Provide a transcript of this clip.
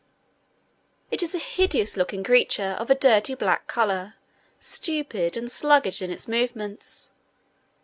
It is a hideous looking creature, of a dirty black colour, stupid, and sluggish in its movements.